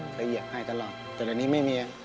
เหยียบให้ตลอดแต่ตอนนี้ไม่มี